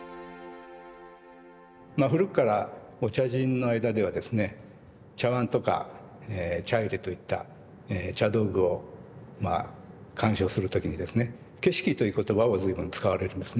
まあ古くからお茶人の間ではですね茶碗とか茶入れといった茶道具をまあ鑑賞する時にですね景色という言葉を随分使われるんですね。